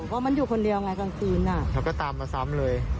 ก็มันอยู่คนเดียวไงกลางทีน่ะแล้วก็ตามมาซ้ำเลย